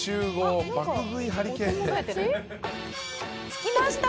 着きました。